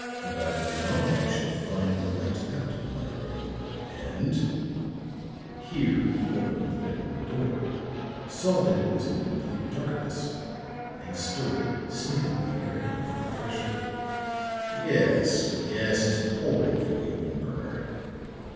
About now I shall find the light out in my room and," here he opened the bedroom door, saw that it was in complete darkness and stood sniffing the air upon the threshold, "yes, the gas is pouring from the open burner.